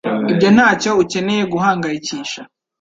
Ibyo ntacyo ukeneye guhangayikisha.